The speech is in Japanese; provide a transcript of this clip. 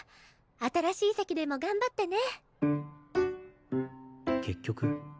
新しい席でも頑張ってね。